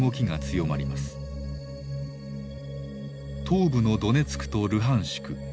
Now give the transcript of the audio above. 東部のドネツクとルハンシク。